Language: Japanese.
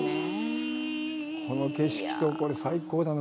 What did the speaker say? この景色とこれ、最高だな。